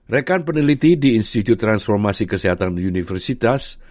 rekan peneliti di institut transformasi kesehatan universitas